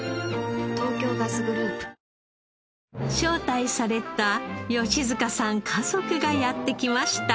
東京ガスグループ招待された吉塚さん家族がやって来ました。